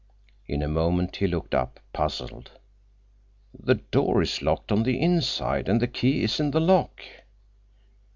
In a moment he looked up, puzzled. "The door is locked on the inside, and the key is in the lock."